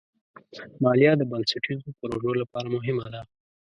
مالیه د بنسټیزو پروژو لپاره مهمه ده.